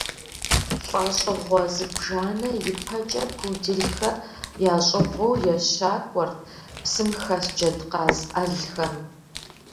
Лӏэщӏыгъуэ зыбжанэ ипэкӏэ пуделхэр ящӏыгъуу ещакӏуэрт псым хэс джэдкъаз ӏэлхэм.